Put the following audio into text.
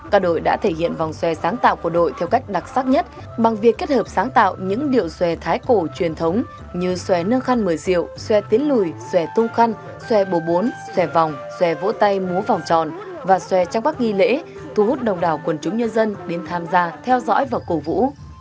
các đội đã thể hiện vòng xoay sáng tạo của đội theo cách đặc sắc nhất bằng việc kết hợp sáng tạo những điệu xòe thái cổ truyền thống như xòe nâng khăn khăn mười diệu xòe tiến lùi xòe tung khăn xòe bồ bốn xòe vòng xòe vỗ tay múa vòng tròn và xòe trong các nghi lễ thu hút đông đảo quần chúng nhân dân đến tham gia theo dõi và cổ vũ